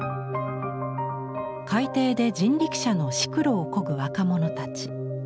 海底で人力車のシクロをこぐ若者たち。